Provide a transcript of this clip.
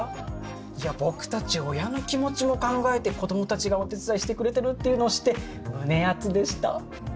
いや僕たち親の気持ちも考えて子どもたちがお手伝いしてくれてるっていうのを知って胸アツでした。